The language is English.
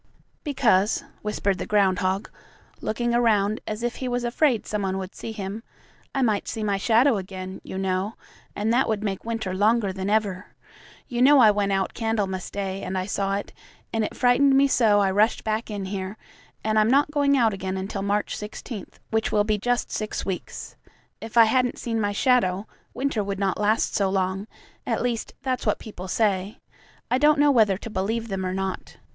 "Because," whispered the groundhog, looking around as if he was afraid some one would see him, "I might see my shadow again, you know, and that would make winter longer than ever. You know I went out Candlemas Day and I saw it, and it frightened me so I rushed back in here, and I'm not going out again until March 16, which will be just six weeks. If I hadn't seen my shadow, winter would not last so long at least, that's what people say. I don't know whether to believe them or not.